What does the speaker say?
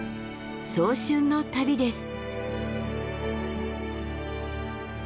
早春の旅です。